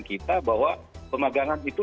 kita bahwa pemagangan itu